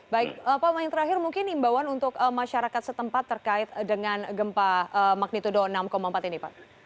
baik pak main terakhir mungkin imbauan untuk masyarakat setempat terkait dengan gempa magnitudo enam empat ini pak